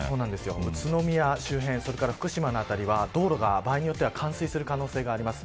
宇都宮周辺、福島の辺りは道路が場合によっては冠水する可能性があります。